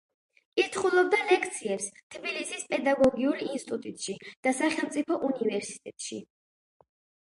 კითხულობდა ლექციებს თბილისის პედაგოგიურ ინსტიტუტში და სახელმწიფო უნივერსიტეტში.